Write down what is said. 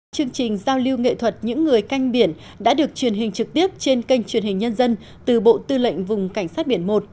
chương trình giao lưu nghệ thuật những người canh biển đã được truyền hình trực tiếp trên kênh truyền hình nhân dân từ bộ tư lệnh vùng cảnh sát biển một